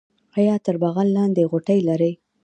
ایا تر بغل لاندې غوټې لرئ؟